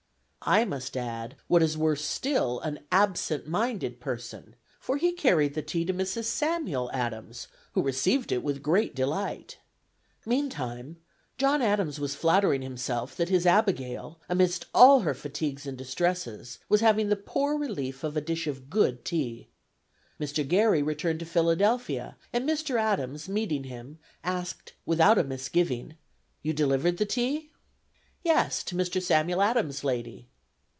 I must add, "what is worse still, an absent minded person!" for he carried the tea to Mrs. Samuel Adams, who received it with great delight. Meantime, John Adams was flattering himself that his Abigail, amidst all her fatigues and distresses, was having "the poor relief of a dish of good tea." Mr. Garry returned to Philadelphia and Mr. Adams, meeting him, asked without a misgiving, "You delivered the tea?" "Yes, to Mr. Samuel Adams' lady."